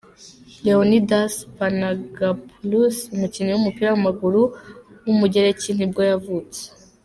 Leonidas Panagopoulos, umukinnyi w’umupira w’amaguru w’umugereki nibwo yavutse.